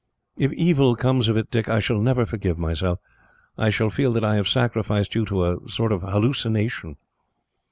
"If evil comes of it, Dick, I shall never forgive myself. I shall feel that I have sacrificed you to a sort of hallucination."